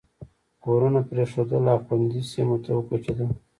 کورونه پرېښودل او خوندي سیمو ته وکوچېدل.